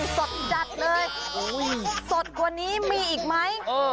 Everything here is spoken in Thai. สดจัดเลยสดกว่านี้มีอีกไหม